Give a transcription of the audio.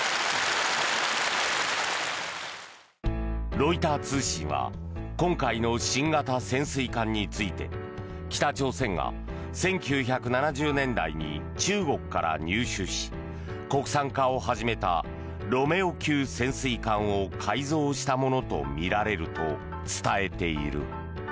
ロイター通信は今回の新型潜水艦について北朝鮮が１９７０年代に中国から入手し国産化を始めたロメオ級潜水艦を改造したものとみられると伝えている。